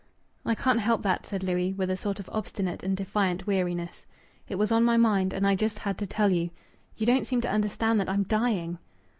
"I can't help that," said Louis, with a sort of obstinate and defiant weariness. "It was on my mind, and I just had to tell you. You don't seem to understand that I'm dying."